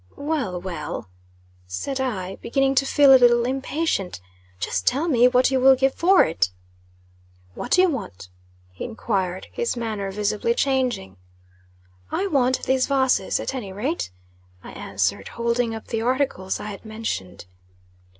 "Well, well," said I, beginning to feel a little impatient, "just tell me what you will give for it." "What you want?" he enquired, his manner visibly changing. "I want these vases, at any rate," I answered, holding up the articles I had mentioned.